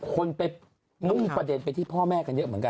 คนไปนุ่งประเด็นไปที่พ่อแม่กันเยอะเหมือนกัน